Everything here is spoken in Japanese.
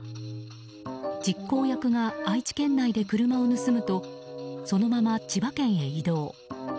実行役が愛知県内で車を盗むとそのまま千葉県へ移動。